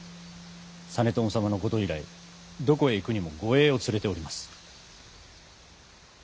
実朝様のこと以来どこへ行くにも護衛を連れております。